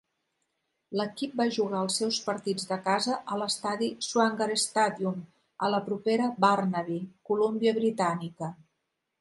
L'equip va jugar els seus partits de casa a l'estadi Swangard Stadium a la propera Burnaby, Colúmbia Britànica.